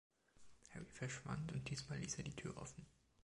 Harry verschwand, und diesmal ließ er die Tür offen.